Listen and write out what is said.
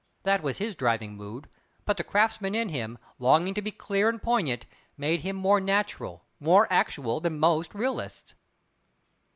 That was his driving mood; but the craftsman in him, longing to be clear and poignant, made him more natural, more actual than most realists.